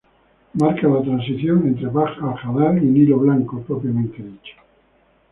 Marca la transición entre Bahr al Jabal y el Nilo Blanco propiamente dicho.